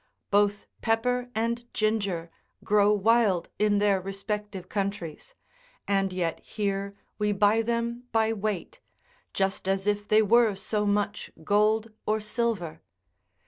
Both pepper and ginger grow wild in their respective countries, and yet here we buy them by weight — just as if they were so much gold or silver.